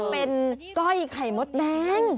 เป็นก้อยไข่มดแดง